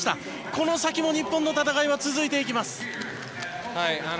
この先も日本の戦いは続いていきます。